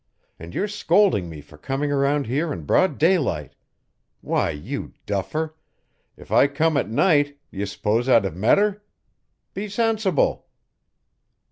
And you're scolding me for coming around here in broad daylight. Why, you duffer, if I come at night, d'ye suppose I'd have met her? Be sensible."